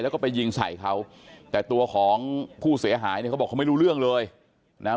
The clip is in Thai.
แล้วก็ไปยิงใส่เขาแต่ตัวของผู้เสียหายเนี่ยเขาบอกเขาไม่รู้เรื่องเลยนะฮะ